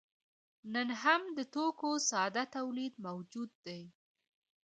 نن هم د توکو ساده تولید موجود دی.